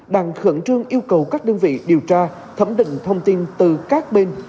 đang khẩn trương yêu cầu các đơn vị điều tra thẩm định thông tin từ các bên